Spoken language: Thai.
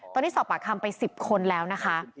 ตอนนี้สอบปากคำไป๑๐คนแล้วนะคะ